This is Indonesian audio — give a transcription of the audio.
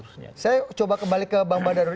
saya coba kembali ke bang badar dulu